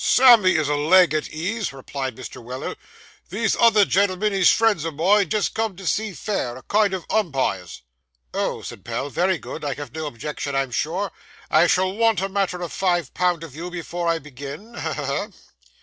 'Sammy is a leg at ease,' replied Mr. Weller; 'these other gen'l'm'n is friends o' mine, just come to see fair; a kind of umpires.' 'Oh!' said Pell, 'very good. I have no objections, I'm sure. I shall want a matter of five pound of you before I begin, ha! ha! ha!